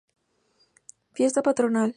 Fiesta patronal.